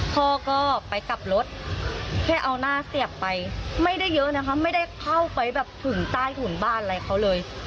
พ่อก็ไปกลับรถแค่เอาหน้าเสียบไปไม่ได้เยอะนะคะไม่ได้เข้าไปแบบถึงใต้ถุนบ้านอะไรเขาเลย